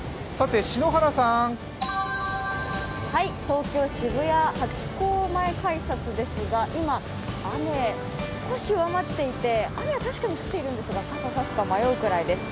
東京・渋谷ハチ公前改札ですが今、雨、少し弱まっていて、雨確かに降っているんですが傘差すか迷うくらいです。